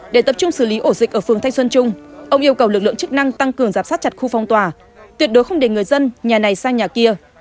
để tập trung xử lý ổ dịch ở phường thanh xuân trung ông yêu cầu lực lượng chức năng tăng cường giám sát chặt khu phong tỏa tuyệt đối không để người dân nhà này sang nhà kia